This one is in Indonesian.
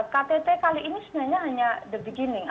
ktt kali ini sebenarnya hanya the beginning